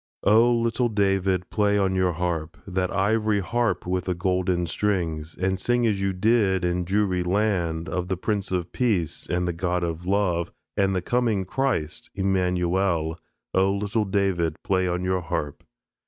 O Little David, play on your harp, That ivory harp with the golden strings; And sing as you did in Jewry land, Of the Prince of Peace and the God of Love And the Coming Christ Immanuel. O Little David, play on your harp.